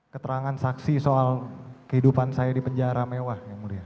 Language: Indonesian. keterangan saksi soal kehidupan saya di penjara mewah